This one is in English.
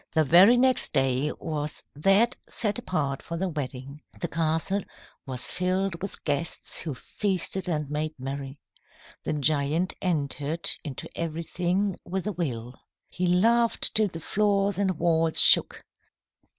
"The very next day was that set apart for the wedding. The castle was filled with guests who feasted and made merry. The giant entered into everything with a will. He laughed till the floors and walls shook.